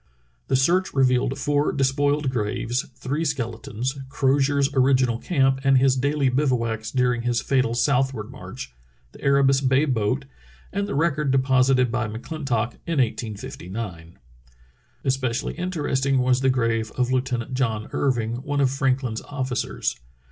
The search revealed four despoiled graves, three skeletons, Crozier's original camp and his daily bivouacs during his fatal southward march, the Erebus Bay boat, and the record deposited by McClintock in 1859. Especially interesting was the grave of Lieutenant John Irving, one of Franklin's officers.